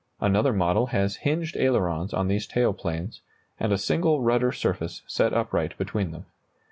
Another model has hinged ailerons on these tail planes, and a single rudder surface set upright between them.